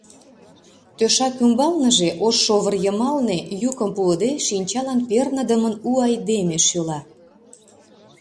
Тӧшак ӱмбалныже, ош шовыр йымалне, йӱкым пуыде, шинчалан перныдымын у айдеме шӱла.